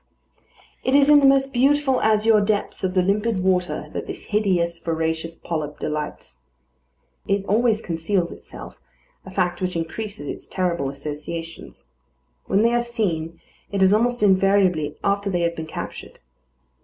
It is in the most beautiful azure depths of the limpid water that this hideous, voracious polyp delights. It always conceals itself, a fact which increases its terrible associations. When they are seen, it is almost invariably after they have been captured.